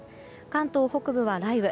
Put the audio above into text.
関東北部は雷雨。